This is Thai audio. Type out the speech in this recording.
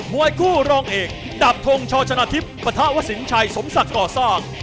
วยคู่รองเอกดาบทงชอชนะทิพย์ปะทะวสินชัยสมศักดิ์ก่อสร้าง